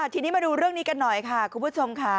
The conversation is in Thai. ทีนี้มาดูเรื่องนี้กันหน่อยค่ะคุณผู้ชมค่ะ